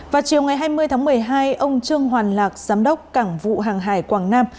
vào chiều ngày hai mươi tháng một mươi hai ông trương hoàn lạc giám đốc cảng vụ hàng hải quảng nam